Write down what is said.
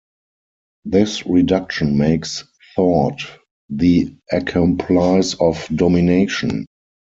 This reduction makes thought the accomplice of domination.